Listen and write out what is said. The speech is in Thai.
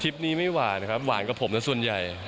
คลิปนี้ไม่หวานครับหวานกับผมนะส่วนใหญ่